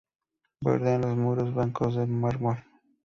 Bordean los muros bancos de mármol.